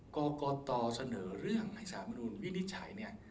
กรกตเสนอเรื่องให้สารมนุนวินิจฉัยเนี่ย